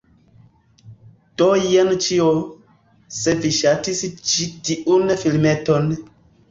Do jen ĉio! Se vi ŝatis ĉi tiun filmeton